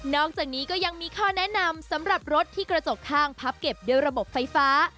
อกจากนี้ก็ยังมีข้อแนะนำสำหรับรถที่กระจกข้างพับเก็บด้วยระบบไฟฟ้า